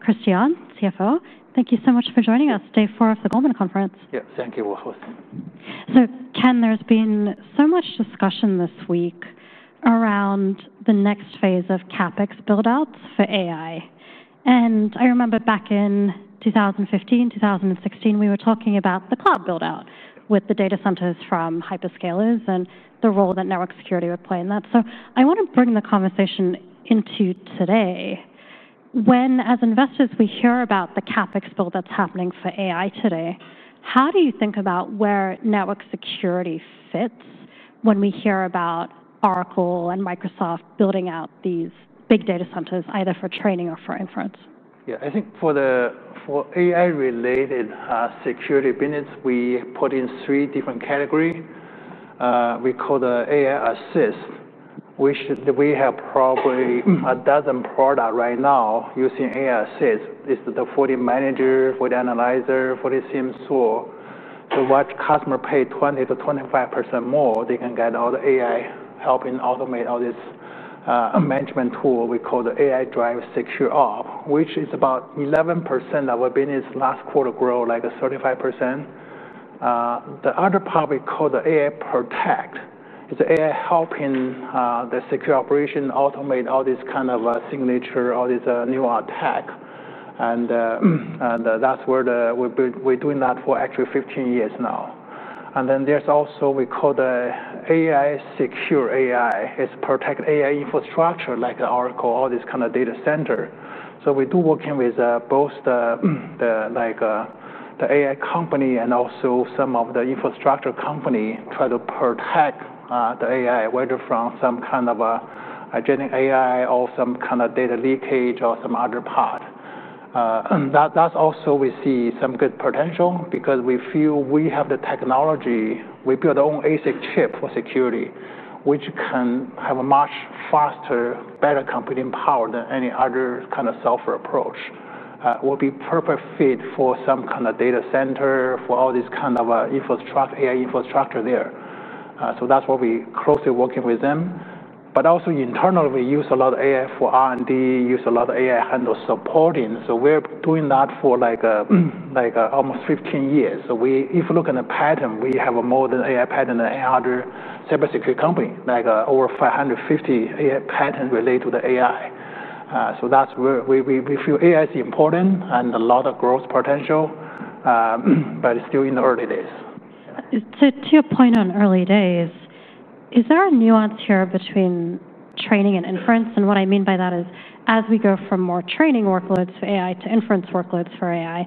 Christiane, CFO, thank you so much for joining us today for the Goldman Conference. Yes, thank you. Ken, there's been so much discussion this week around the next phase of CapEx buildouts for AI. I remember back in 2015, 2016, we were talking about the cloud buildout with the data centers from hyperscalers and the role that network security would play in that. I want to bring the conversation into today. When, as investors, we hear about the CapEx build that's happening for AI today, how do you think about where network security fits when we hear about Oracle and Microsoft building out these big data centers, either for training or for inference? Yeah, I think for the AI-related security business, we put in three different categories. We call the AI Assist, which we have probably a dozen products right now using AI Assist. It's the FortiManager, FortiAnalyzer, FortiSIEM tool. Once customers pay 20%-25% more, they can get all the AI helping automate all this management tool we call the AI-Driven Security Ops, which is about 11% of our business last quarter, growth like 35%. The other part we call the AI Protect. It's AI helping the secure operation automate all these kind of signatures, all these new attacks. That's where we've been doing that for actually 15 years now. There's also what we call the AI Secure AI. It's protect AI infrastructure, like Oracle, all these kind of data centers. We do work with both the AI company and also some of the infrastructure companies trying to protect the AI, whether from some kind of a GenAI or some kind of data leakage or some other part. That's also where we see some good potential because we feel we have the technology. We build our own ASIC chip for security, which can have a much faster, better computing power than any other kind of software approach. It will be a perfect fit for some kind of data center, for all this kind of AI infrastructure there. That's what we're closely working with them. Also, internally, we use a lot of AI for R&D, use a lot of AI handle supporting. We're doing that for like almost 15 years. If you look at the pattern, we have more than AI patent than any other cybersecurity company, like over 550 AI patents related to the AI. That's where we feel AI is important and a lot of growth potential, but it's still in the early days. To your point on early days, is there a nuance here between training and inference? What I mean by that is, as we go from more training workloads to AI to inference workloads for AI,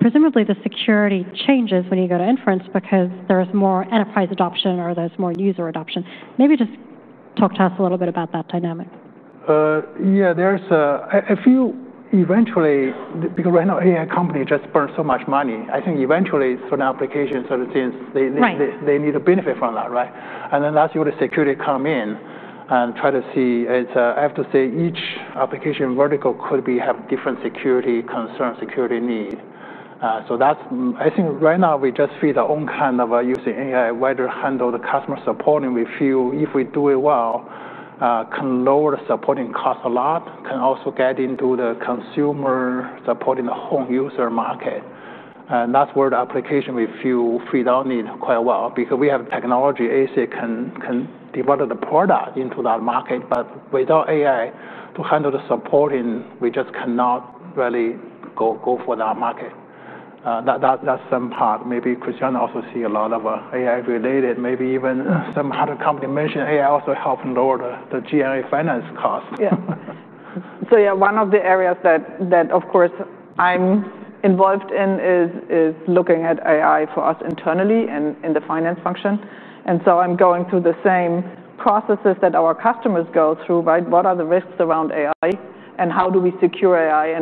presumably the security changes when you go to inference because there's more enterprise adoption or there's more user adoption. Maybe just talk to us a little bit about that dynamic. Yeah, there's a few eventually, because right now AI companies just burn so much money. I think eventually certain applications, certain things, they need to benefit from that, right? That's where the security comes in and try to see, I have to say, each application vertical could have different security concerns, security needs. I think right now we just feed our own kind of using AI, whether to handle the customer support. We feel if we do it well, can lower the supporting cost a lot, can also get into the consumer supporting the home user market. That's where the application we feel feed on it quite well because we have technology ASIC can develop the product into that market. Without AI to handle the supporting, we just cannot really go for that market. That's some part. Maybe Christiane also sees a lot of AI-related, maybe even some other company mentioned AI also helps lower the GI finance costs. Yeah, one of the areas that, of course, I'm involved in is looking at AI for us internally and in the finance function. I'm going through the same processes that our customers go through, right? What are the risks around AI and how do we secure AI?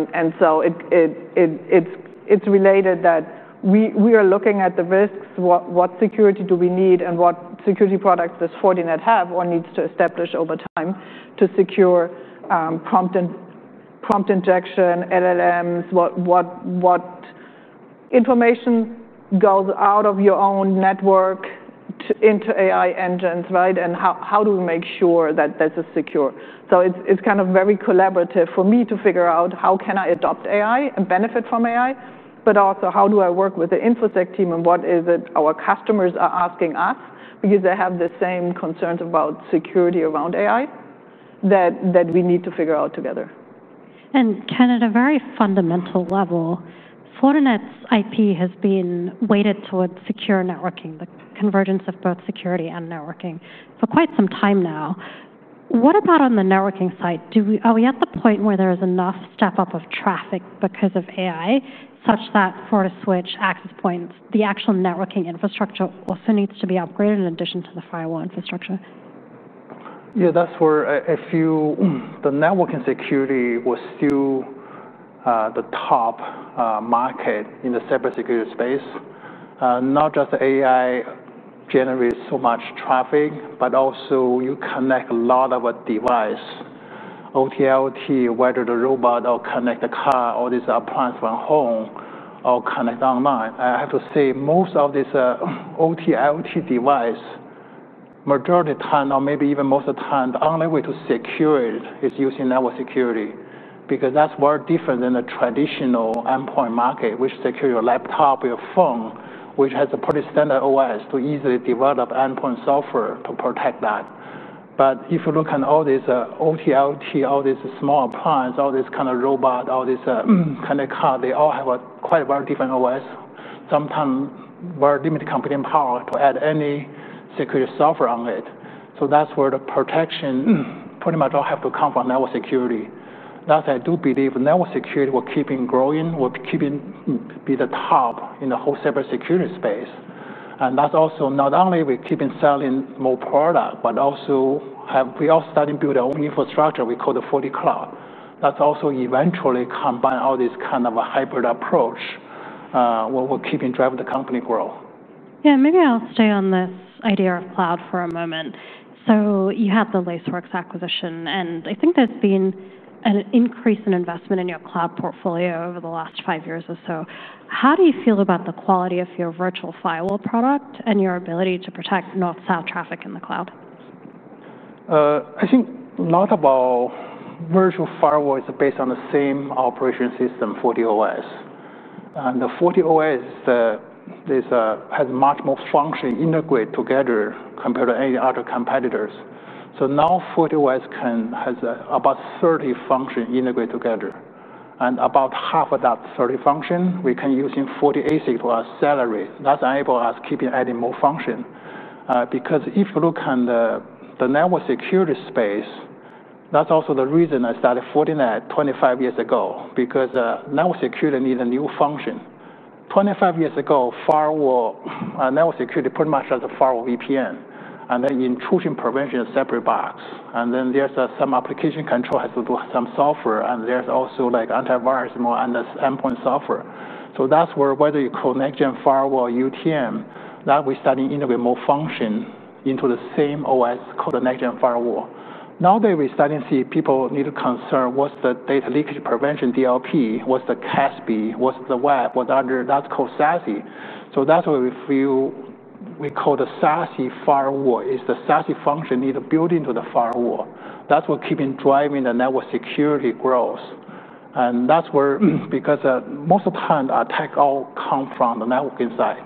It's related that we are looking at the risks, what security do we need and what security products does Fortinet have or needs to establish over time to secure prompt injection, LLMs, what information goes out of your own network into AI engines, right? How do we make sure that this is secure? It's kind of very collaborative for me to figure out how can I adopt AI and benefit from AI, but also how do I work with the Infosec team and what is it our customers are asking us because they have the same concerns about security around AI that we need to figure out together. Ken, at a very fundamental level, Fortinet's IP has been weighted towards secure networking, the convergence of both security and networking for quite some time now. What about on the networking side? Are we at the point where there is enough step-up of traffic because of AI, such that for the switch access points, the actual networking infrastructure also needs to be upgraded in addition to the firewall infrastructure? Yeah, that's where I feel the networking security was still the top market in the cybersecurity space. Not just AI generates so much traffic, but also you connect a lot of devices, OT, IoT, whether the robot or connect the car or this appliance from home or connect online. I have to say most of these OT, IoT devices, majority of the time or maybe even most of the time, the only way to secure it is using network security because that's very different than the traditional endpoint market, which secures your laptop, your phone, which has a pretty standard OS to easily develop endpoint software to protect that. If you look at all these OT, IoT, all these small appliances, all these kind of robots, all these kind of cars, they all have quite a very different OS. Sometimes very limited computing power to add any security software on it. That's where the protection pretty much all has to come from network security. That's why I do believe network security will keep on growing, will keep on being the top in the whole cybersecurity space. That's also not only we keep on selling more products, but also we all started to build our own infrastructure we call the FortiCloud. That's also eventually combine all these kind of hybrid approaches where we're keeping driving the company grow. Maybe I'll stay on this idea of cloud for a moment. You had the Laceworks acquisition, and I think there's been an increase in investment in your cloud portfolio over the last five years or so. How do you feel about the quality of your virtual firewall product and your ability to protect North-South traffic in the cloud? I think a lot about virtual firewall is based on the same operating system, FortiOS. FortiOS has much more functions integrated together compared to any other competitors. Now FortiOS has about 30 functions integrated together, and about half of that 30 functions we can use in FortiASIC to our advantage. That enables us to keep on adding more functions. If you look at the network security space, that's also the reason I started Fortinet 25 years ago, because network security needs new functions. 25 years ago, network security pretty much was a firewall, VPN, and then intrusion prevention, separate box. There was some application control that had to do with some software, and there was also antivirus and more endpoint software. That's where, whether you call it NextGen firewall or UTM, now we're starting to integrate more functions into the same OS called the NextGen firewall. Nowadays, we're starting to see people need to be concerned about what's the data leakage prevention, DLP, what's the CASB, what's the WAF, what's under, that's called SASE. We feel we call the SASE firewall. It's the SASE function needed to be built into the firewall. That keeps on driving the network security growth. Most of the time, the attack comes from the networking side,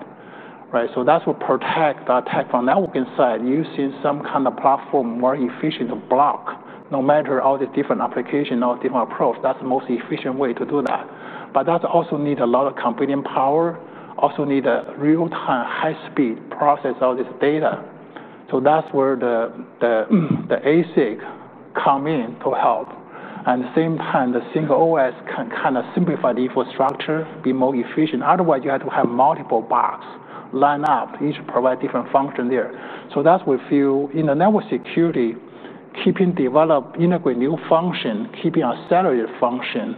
right? That protects the attack from the networking side, using some kind of platform more efficient to block, no matter all the different applications or different approaches. That's the most efficient way to do that. That also needs a lot of computing power, also needs real-time high-speed processing of this data. That's where the ASIC come in to help. At the same time, the single OS can simplify the infrastructure, be more efficient. Otherwise, you have to have multiple boxes lined up, each providing different functions there. That's what we feel in the network security, keeping developing, integrating new functions, keeping our ASICs functioning,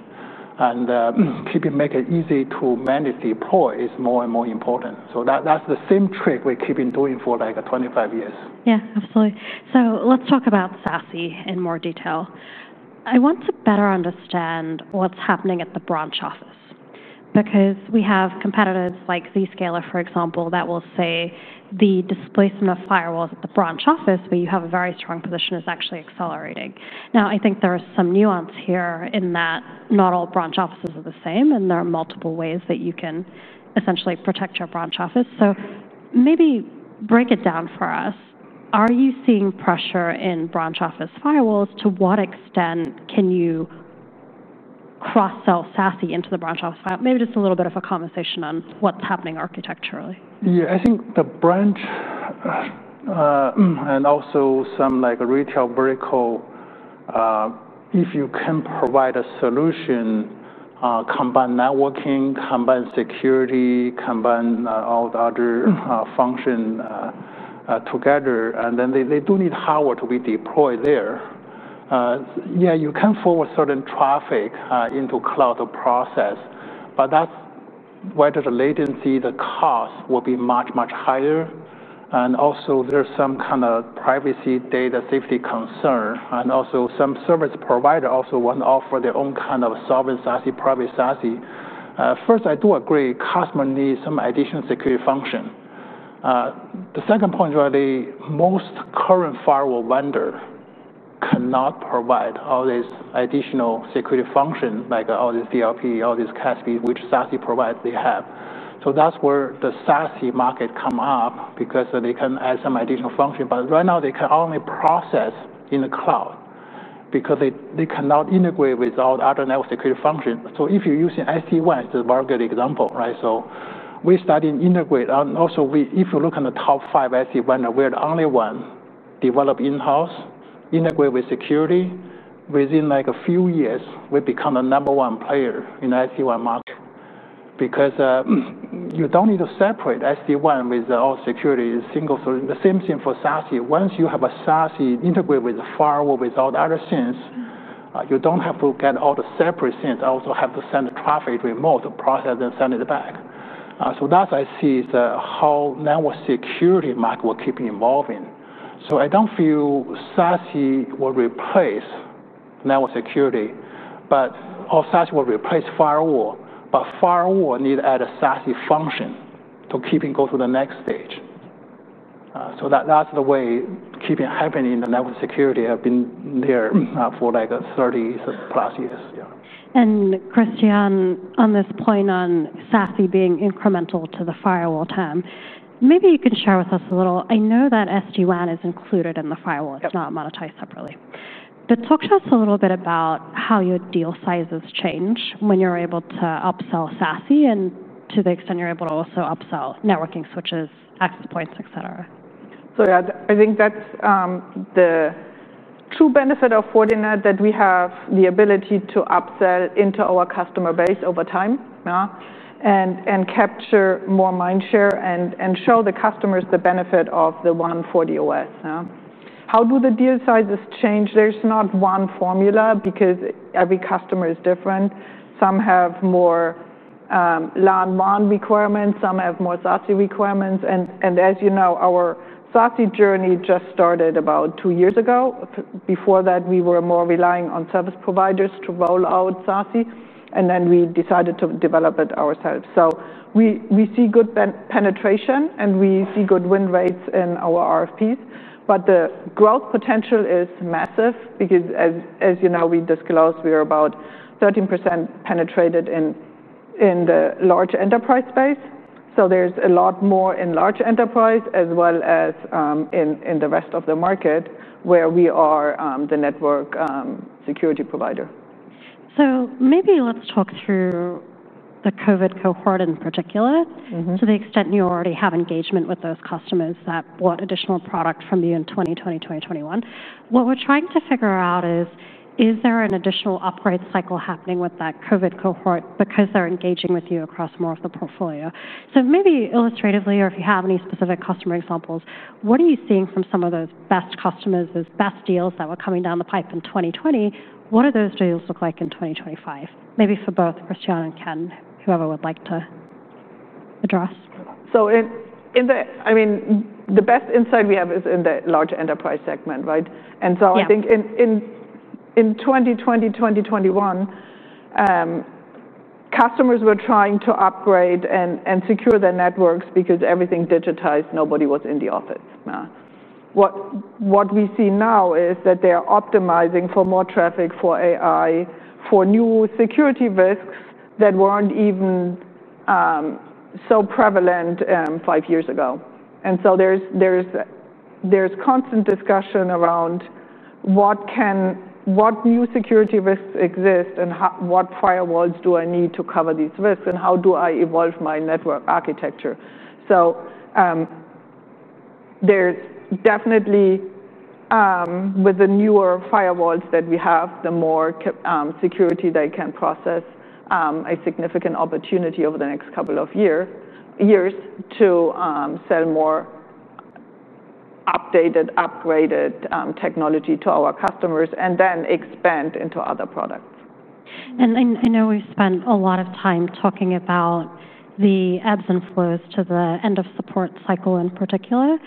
and keeping making it easy to manage the deployment is more and more important. That's the same trick we keep on doing for like 25 years. Yeah, absolutely. Let's talk about SASE in more detail. I want to better understand what's happening at the branch office because we have competitors like Zscaler, for example, that will say the displacement of firewalls at the branch office where you have a very strong position is actually accelerating. I think there is some nuance here in that not all branch offices are the same, and there are multiple ways that you can essentially protect your branch office. Maybe break it down for us. Are you seeing pressure in branch office firewalls? To what extent can you cross-sell SASE into the branch office? Maybe just a little bit of a conversation on what's happening architecturally. Yeah, I think the branch and also some like retail vertical, if you can provide a solution, combine networking, combine security, combine all the other functions together, and then they do need hardware to be deployed there. You can forward certain traffic into cloud process, but that's where the latency, the cost will be much, much higher. There's some kind of privacy, data safety concern, and also some service providers also want to offer their own kind of solving SASE, privacy SASE. First, I do agree customers need some additional security functions. The second point is most current firewall vendors cannot provide all these additional security functions, like all these DLP, all these CASB, which SASE providers have. That's where the SASE market comes up because they can add some additional functions. Right now, they can only process in the cloud because they cannot integrate with all the other network security functions. If you're using SD-WAN, it's a very good example, right? We started to integrate. If you look at the top five SD-WAN, we're the only one developed in-house, integrated with security. Within a few years, we've become the number one player in the SD-WAN market because you don't need to separate SD-WAN with all security single sources. The same thing for SASE. Once you have a SASE integrated with the firewall, with all the other things, you don't have to get all the separate things. I also have to send the traffic remote to process and send it back. That's what I see is how network security market will keep on evolving. I don't feel SASE will replace network security, but SASE will replace firewall. Firewall needs to add a SASE function to keep on going to the next stage. That's the way keeping happening in the network security has been there for like 30+ years. Christiane, on this point on SASE being incremental to the firewall TAM, maybe you could share with us a little. I know that SD-WAN is included in the firewall. It's not monetized separately. Talk to us a little bit about how your deal sizes change when you're able to upsell SASE and to the extent you're able to also upsell networking switches, access points, et cetera. I think that's the true benefit of Fortinet, that we have the ability to upsell into our customer base over time and capture more mindshare and show the customers the benefit of the FortiOS. How do the deal sizes change? There's not one formula because every customer is different. Some have more LAN/WAN requirements, some have more SASE requirements. As you know, our SASE journey just started about two years ago. Before that, we were more relying on service providers to roll out SASE, and then we decided to develop it ourselves. We see good penetration, and we see good win rates in our RFPs. The growth potential is massive because, as you know, we disclosed, we're about 13% penetrated in the large enterprise space. There's a lot more in large enterprise, as well as in the rest of the market where we are the network security provider. Maybe let's talk through the COVID cohort in particular, to the extent you already have engagement with those customers that bought additional product from you in 2020, 2021. What we're trying to figure out is, is there an additional upgrade cycle happening with that COVID cohort because they're engaging with you across more of the portfolio? Maybe illustratively, or if you have any specific customer examples, what are you seeing from some of those best customers, those best deals that were coming down the pipe in 2020? What do those deals look like in 2025? Maybe for both Christiane and Ken, whoever would like to address. The best insight we have is in the large enterprise segment, right? I think in 2020, 2021, customers were trying to upgrade and secure their networks because everything digitized, nobody was in the office. What we see now is that they're optimizing for more traffic, for AI, for new security risks that weren't even so prevalent five years ago. There's constant discussion around what new security risks exist and what firewalls do I need to cover these risks and how do I evolve my network architecture. With the newer firewalls that we have, the more security they can process, a significant opportunity over the next couple of years to sell more updated, upgraded technology to our customers and then expand into other products. I know we've spent a lot of time talking about the ebbs and flows to the end-of-support cycle in particular.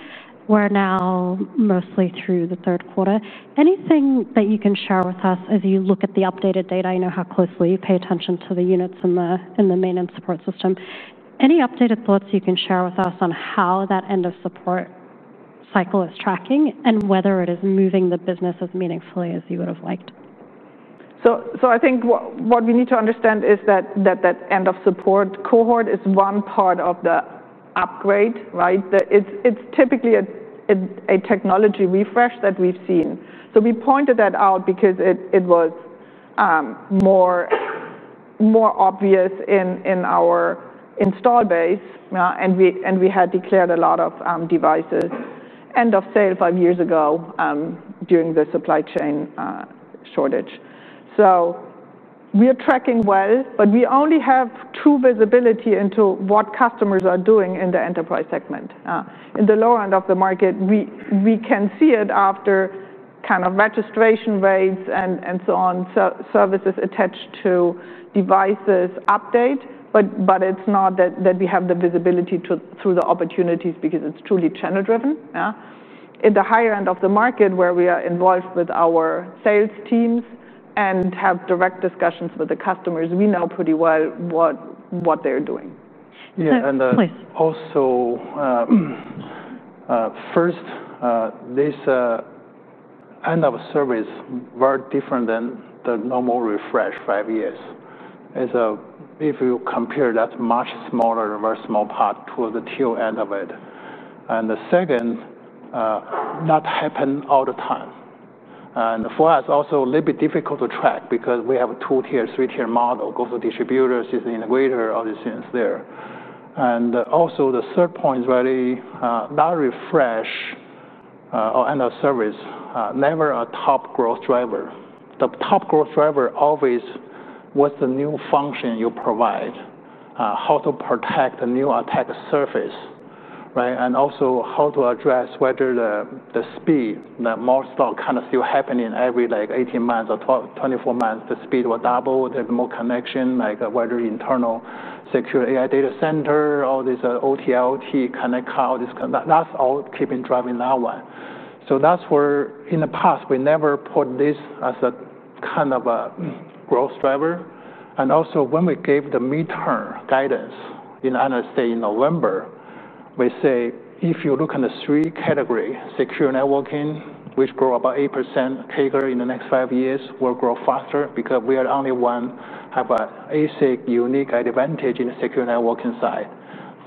We're now mostly through the third quarter. Is there anything that you can share with us as you look at the updated data? I know how closely you pay attention to the units in the maintenance support system. Are there any updated thoughts you can share with us on how that end-of-support cycle is tracking and whether it is moving the business as meaningfully as you would have liked? I think what we need to understand is that that end-of-support cohort is one part of the upgrade, right? It's typically a technology refresh that we've seen. We pointed that out because it was more obvious in our install base. We had declared a lot of devices end of sale five years ago during the supply chain shortage. We are tracking well, but we only have true visibility into what customers are doing in the enterprise segment. In the lower end of the market, we can see it after registration rates and so on, services attached to devices update. It's not that we have the visibility through the opportunities because it's truly channel driven. In the higher end of the market where we are involved with our sales teams and have direct discussions with the customers, we know pretty well what they're doing. Yeah, and also first, this end of service is very different than the normal refresh five years. If you compare that, much smaller, a very small part to the tier end of it. The second, that happens all the time. For us, also a little bit difficult to track because we have a two-tier, three-tier model. It goes to distributors, it's innovator, all these things there. The third point is really not refresh or end of service, never a top growth driver. The top growth driver always was the new function you provide, how to protect the new attack surface, right? Also how to address whether the speed that more stock kind of still happening every like 18 months or 24 months, the speed will double, there's more connection, like whether internal secure AI data center, all these OT, LT connect cloud, all these, that's all keeping driving that one. In the past we never put this as a kind of a growth driver. Also when we gave the midterm guidance in the United States in November, we say if you look at the three categories, secure networking, which grew about 8%, CAGR in the next five years will grow faster because we are the only one who have an ASIC unique advantage in the secure networking side.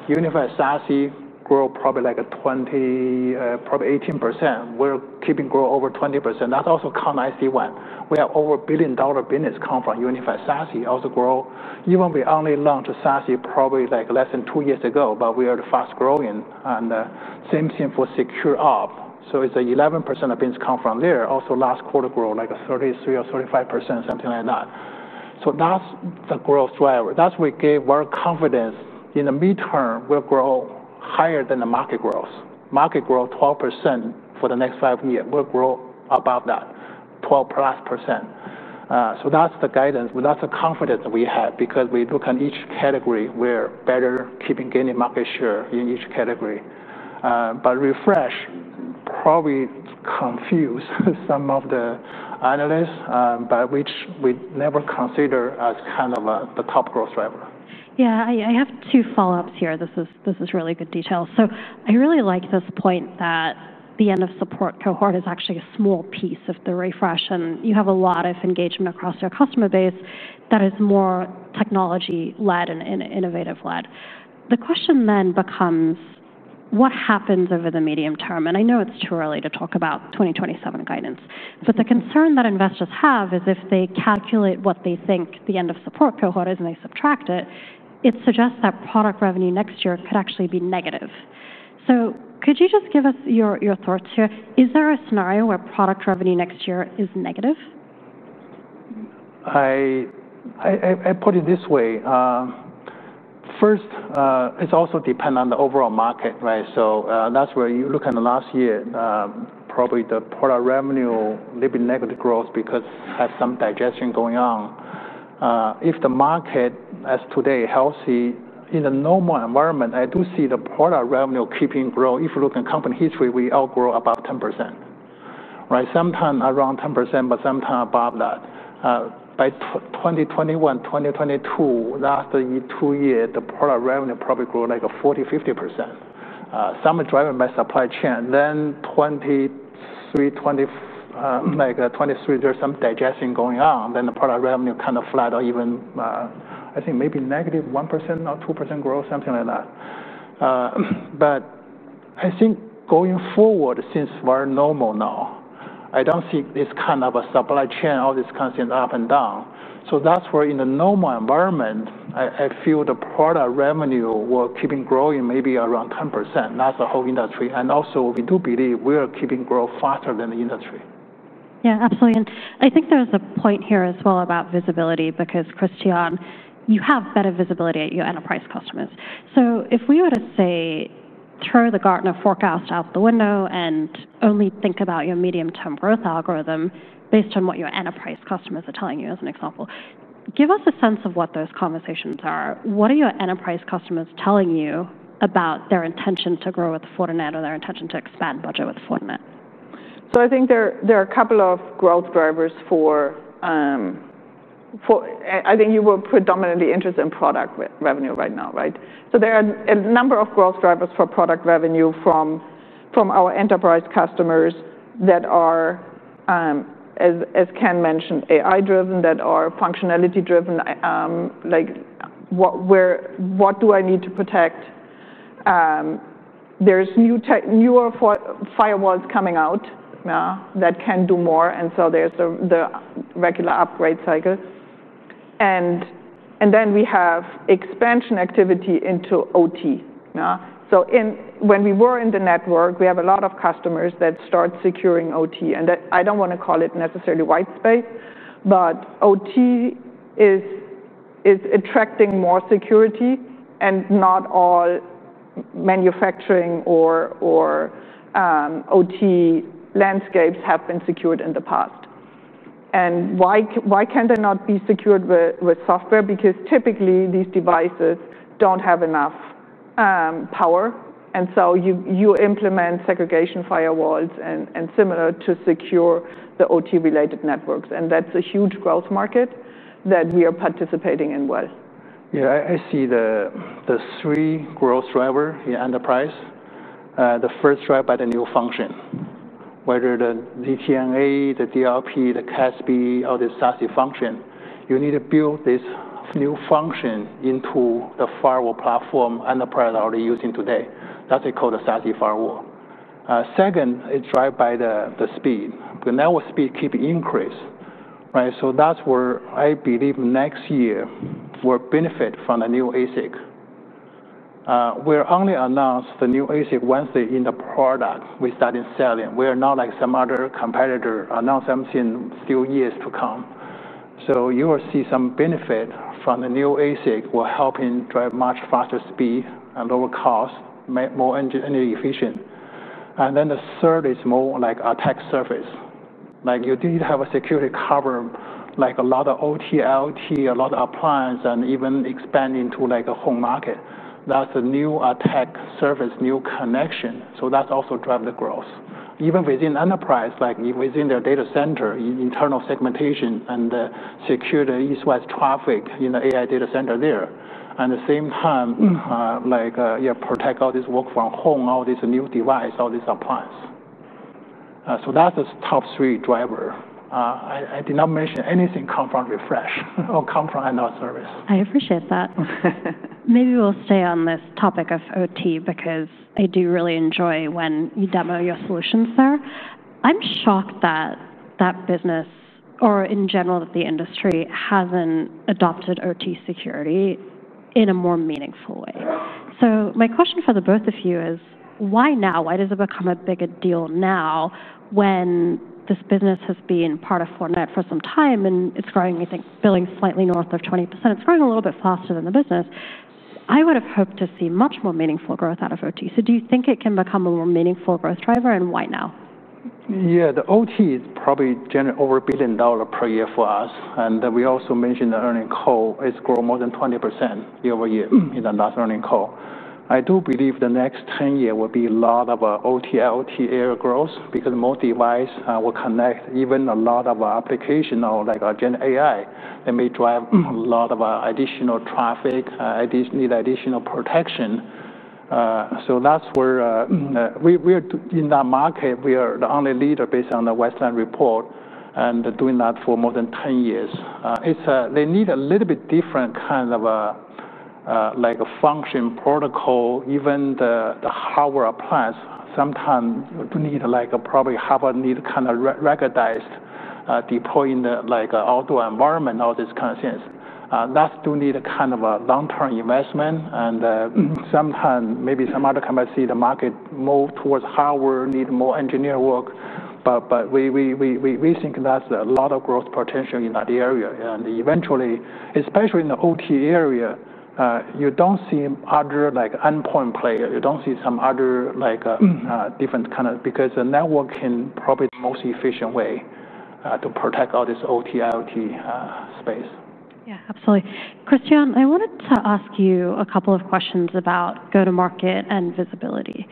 Unified SASE grew probably like 20%, probably 18%. We're keeping growing over 20%. That's also common. We have over a $1 billion business come from unified SASE also growing. Even we only launched SASE probably like less than two years ago, but we are fast growing. The same thing for SecureOp. It's 11% of business come from there. Also last quarter grow like 33% or 35%, something like that. That's the growth driver. That's we gave very confidence in the midterm will grow higher than the market growth. Market growth 12% for the next five years will grow above that, 12%+. That's the guidance. That's the confidence that we had because we look at each category where better keeping gaining market share in each category. Refresh probably confused some of the analysts, but which we never consider as kind of the top growth driver. Yeah, I have two follow-ups here. This is really good detail. I really like this point that the end-of-support cohort is actually a small piece of the refresh. You have a lot of engagement across your customer base that is more technology-led and innovative-led. The question then becomes, what happens over the medium term? I know it's too early to talk about 2027 guidance. The concern that investors have is if they calculate what they think the end-of-support cohort is and they subtract it, it suggests that product revenue next year could actually be negative. Could you just give us your thoughts here? Is there a scenario where product revenue next year is negative? I put it this way. First, it's also dependent on the overall market, right? That's where you look at the last year, probably the product revenue may be negative growth because it has some digestion going on. If the market is today healthy, in the normal environment, I do see the product revenue keeping growing. If you look at company history, we all grow above 10%. Right? Sometimes around 10%, but sometimes above that. By 2021, 2022, last two years, the product revenue probably grew like 40%, 50%. Some are driven by supply chain. In 2023, there's some digestion going on. The product revenue kind of flat or even, I think maybe negative 1% or 2% growth, something like that. I think going forward, since we're normal now, I don't see this kind of a supply chain, all this constant up and down. In the normal environment, I feel the product revenue will keep on growing maybe around 10%. That's the whole industry. We do believe we're keeping growth faster than the industry. Absolutely. I think there's a point here as well about visibility because, Christiane, you have better visibility at your enterprise customers. If we were to say, throw the Gartner forecast out of the window and only think about your medium-term growth algorithm based on what your enterprise customers are telling you as an example, give us a sense of what those conversations are. What are your enterprise customers telling you about their intention to grow with Fortinet or their intention to expand budget with Fortinet? I think there are a couple of growth drivers for, I think you were predominantly interested in product revenue right now, right? There are a number of growth drivers for product revenue from our enterprise customers that are, as Ken mentioned, AI-driven, that are functionality driven. Like, what do I need to protect? There's newer firewalls coming out now that can do more, and there's the regular upgrade cycles. We have expansion activity into OT. When we were in the network, we have a lot of customers that start securing OT. I don't want to call it necessarily white space, but OT is attracting more security. Not all manufacturing or OT landscapes have been secured in the past. Why can they not be secured with software? Because typically these devices don't have enough power, and you implement segregation firewalls and similar to secure the OT-related networks. That's a huge growth market that we are participating in well. Yeah, I see the three growth drivers in the enterprise. The first driven by the new function, whether the ZTNA, the DLP, the CASB, or the SASE function, you need to build this new function into the firewall platform enterprise that we're already using today. That's what we call the SASE firewall. Second, it's driven by the speed. The network speed keeps increasing. That's where I believe next year we'll benefit from the new ASIC. We only announced the new ASIC Wednesday in the product we started selling. We're not like some other competitor announced something still years to come. You will see some benefit from the new ASIC will help in driving much faster speed and lower cost, more energy efficient. The third is more like attack surface. Like you didn't have a security cover like a lot of OT, IoT, a lot of appliances, and even expanding to like a home market. That's a new attack surface, new connection. That's also driving the growth. Even within enterprise, like within the data center, internal segmentation and secure the east-west traffic in the AI data center there. At the same time, you protect all this work-from-home, all this new device, all this appliance. That's the top three drivers. I did not mention anything come from refresh or come from end of service. I appreciate that. Maybe we'll stay on this topic of OT because I do really enjoy when you demo your solutions there. I'm shocked that that business, or in general that the industry, hasn't adopted OT security in a more meaningful way. My question for the both of you is, why now? Why does it become a bigger deal now when this business has been part of Fortinet for some time and it's growing, I think, spilling slightly north of 20%? It's growing a little bit faster than the business. I would have hoped to see much more meaningful growth out of OT. Do you think it can become a more meaningful growth driver and why now? Yeah, the OT is probably generating over $1 billion per year for us. We also mentioned the earnings call. It's grown more than 20% year-over-year in the last earnings call. I do believe the next 10 years will be a lot of OT, IoT area growth because more devices will connect, even a lot of applications or like GenAI, and may drive a lot of additional traffic. I need additional protection. That's where we're in that market. We are the only leader based on the Westland report and doing that for more than 10 years. They need a little bit different kind of a function protocol, even the hardware appliances. Sometimes you need like probably hardware needs kind of ruggedized deploying like outdoor environment, all these kinds of things. That's doing it kind of a long-term investment. Sometimes maybe some other companies see the market move towards hardware, need more engineer work. We think that's a lot of growth potential in that area. Eventually, especially in the OT area, you don't see other like endpoint players. You don't see some other like different kind of because the networking probably the most efficient way to protect all this OT, IoT space. Yeah, absolutely. Christiane, I wanted to ask you a couple of questions about go-to-market and visibility.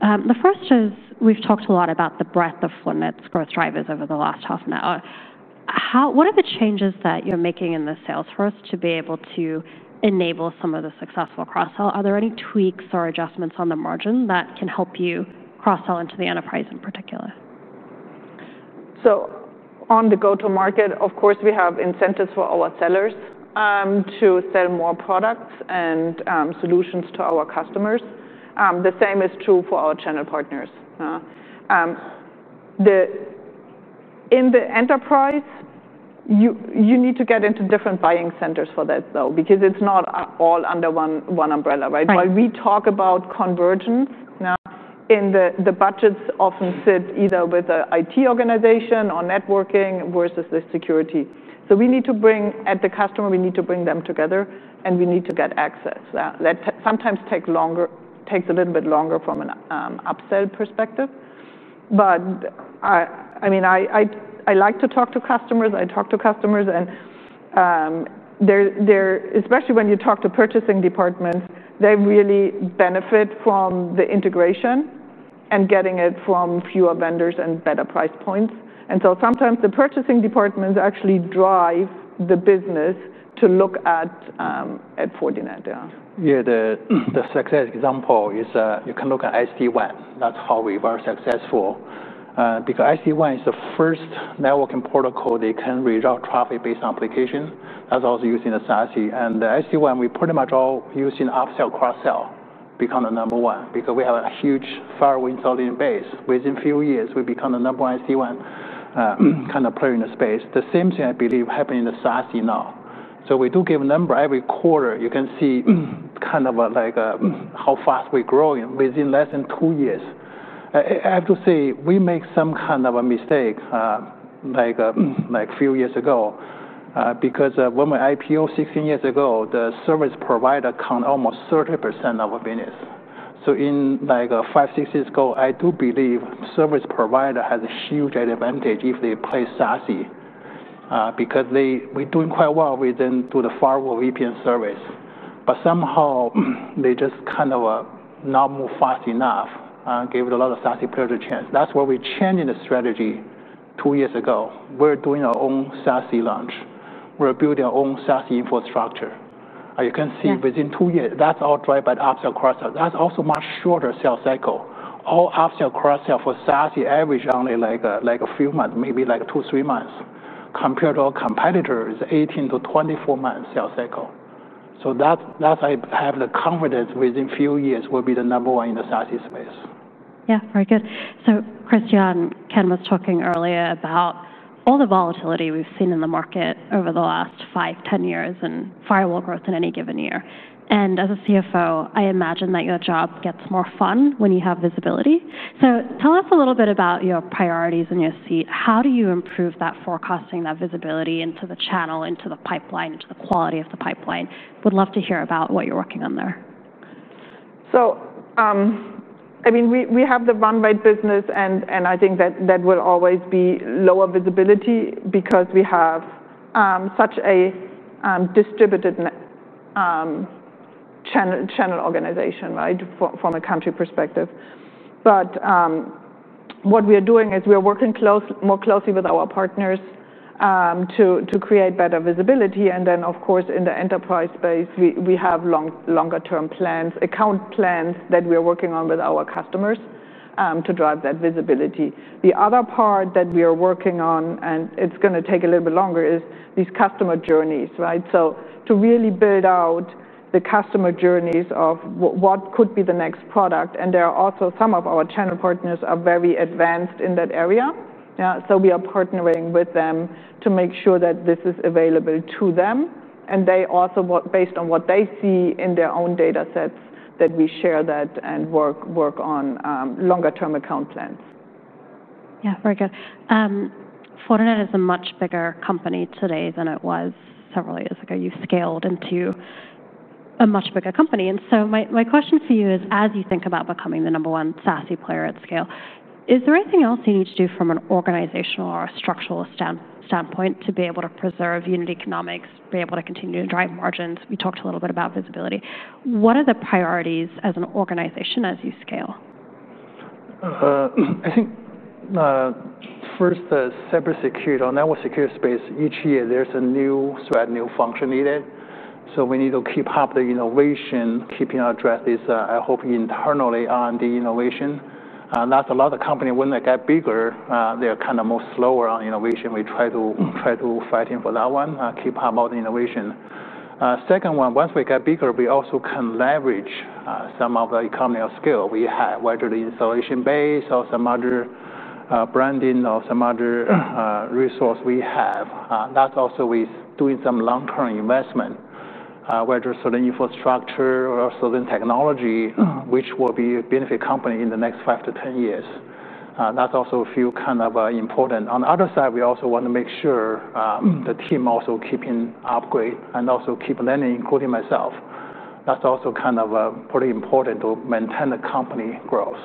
The first is we've talked a lot about the breadth of Fortinet's growth drivers over the last half an hour. What are the changes that you're making in the sales force to be able to enable some of the successful cross-sell? Are there any tweaks or adjustments on the margin that can help you cross-sell into the enterprise in particular? On the go-to-market, of course, we have incentives for our sellers to sell more products and solutions to our customers. The same is true for our channel partners. In the enterprise, you need to get into different buying centers for that though, because it's not all under one umbrella, right? We talk about convergence. In the budgets, often sit either with the IT organization or networking versus the security. We need to bring at the customer, we need to bring them together and we need to get access. That sometimes takes longer, takes a little bit longer from an upsell perspective. I like to talk to customers. I talk to customers and especially when you talk to purchasing departments, they really benefit from the integration and getting it from fewer vendors and better price points. Sometimes the purchasing departments actually drive the business to look at Fortinet. Yeah, the success example is you can look at SD-WAN. That's how we were successful. Because SD-WAN is the first networking protocol that can result in traffic-based application. That's also using the SASE. The SD-WAN, we pretty much all use in upsell cross-sell, become the number one because we have a huge firewall install base. Within a few years, we become the number one SD-WAN kind of player in the space. The same thing I believe happened in the SASE now. We do give a number every quarter. You can see kind of like how fast we're growing within less than two years. I have to say we make some kind of a mistake like a few years ago because when we IPO 16 years ago, the service provider account almost 30% of our business. In like five, six years ago, I do believe service provider has a huge advantage if they play SASE because we're doing quite well with them through the firewall VPN service. Somehow they just kind of not move fast enough and gave a lot of SASE players a chance. That's where we changed the strategy two years ago. We're doing our own SASE launch. We're building our own SASE infrastructure. You can see within two years, that's all driven by upsell cross-sell. That's also a much shorter sales cycle. All upsell cross-sell for SASE average only like a few months, maybe like two, three months. Compared to our competitors, it's 18 to 24 months sales cycle. I have the confidence within a few years will be the number one in the SASE space. Yeah, very good. Christiane, Ken was talking earlier about all the volatility we've seen in the market over the last five, 10 years and firewall growth in any given year. As a CFO, I imagine that your job gets more fun when you have visibility. Tell us a little bit about your priorities and your seat. How do you improve that forecasting, that visibility into the channel, into the pipeline, into the quality of the pipeline? Would love to hear about what you're working on there. We have the runway business, and I think that that will always be lower visibility because we have such a distributed channel organization, right, from a country perspective. What we are doing is we are working more closely with our partners to create better visibility. In the enterprise space, we have longer-term plans, account plans that we are working on with our customers to drive that visibility. The other part that we are working on, and it's going to take a little bit longer, is these customer journeys, right? To really build out the customer journeys of what could be the next product. There are also some of our channel partners who are very advanced in that area. We are partnering with them to make sure that this is available to them. They also, based on what they see in their own data sets, we share that and work on longer-term account plans. Yeah, very good. Fortinet is a much bigger company today than it was several years ago. You've scaled into a much bigger company. My question for you is, as you think about becoming the number one SASE player at scale, is there anything else you need to do from an organizational or a structural standpoint to be able to preserve unit economics, be able to continue to drive margins? We talked a little bit about visibility. What are the priorities as an organization as you scale? I think first, the cybersecurity or network security space, each year there's a new threat, new function needed. We need to keep up the innovation, keeping our threat list, I hope, internally on the innovation. That's a lot of companies when they get bigger, they're kind of more slower on innovation. We try to fight in for that one, keep up on innovation. Second one, once we get bigger, we also can leverage some of the economy of scale we have, whether the installation base or some other branding or some other resource we have. That's also with doing some long-term investment, whether certain infrastructure or certain technology, which will be a benefit company in the next five to ten years. That's also a few kind of important. On the other side, we also want to make sure the team also keeps upgrading and also keeps learning, including myself. That's also kind of pretty important to maintain the company growth.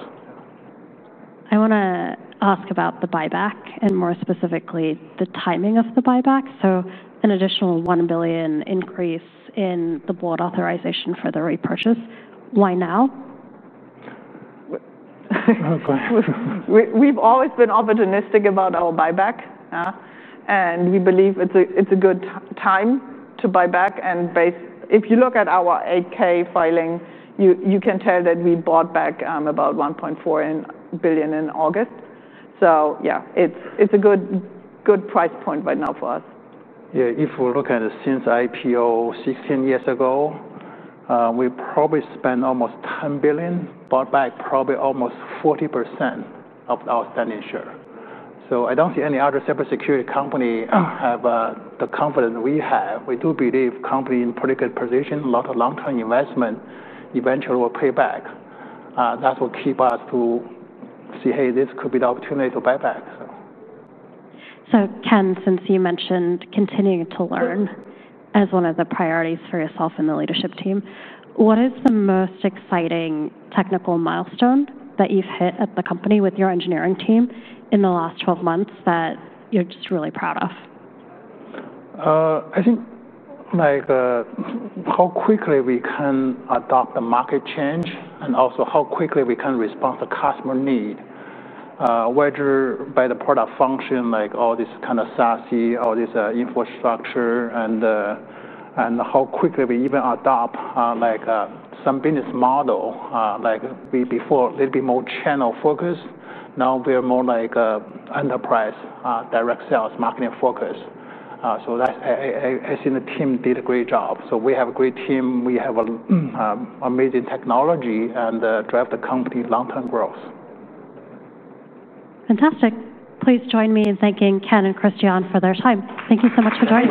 I want to ask about the buyback, and more specifically the timing of the buyback. An additional $1 billion increase in the board authorization for the repurchase. Why now? We've always been opportunistic about our buyback, and we believe it's a good time to buy back. If you look at our 8-K filing, you can tell that we bought back about $1.4 billion in August. It's a good price point right now for us. Yeah, if we look at it since IPO 16 years ago, we probably spent almost $10 billion, bought back probably almost 40% of our standing share. I don't see any other cybersecurity company have the confidence we have. We do believe companies in a predictive position, a lot of long-term investment eventually will pay back. That will keep us to see, hey, this could be the opportunity to buy back. Ken, since you mentioned continuing to learn as one of the priorities for yourself and the leadership team, what is the most exciting technical milestone that you've hit at the company with your engineering team in the last 12 months that you're just really proud of? I think like how quickly we can adopt the market change and also how quickly we can respond to the customer need, whether by the product function, like all this kind of SASE, all this infrastructure, and how quickly we even adopt like some business model. Like we before a little bit more channel focused, now we're more like enterprise, direct sales, marketing focused. I think the team did a great job. We have a great team. We have amazing technology and drive the company's long-term growth. Fantastic. Please join me in thanking Ken and Christiane for their time. Thank you so much for joining.